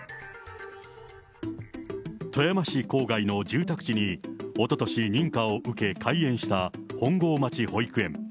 富山市郊外の住宅地におととし、認可を受け、開園した本郷町保育園。